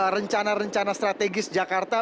rencana rencana strategis jakarta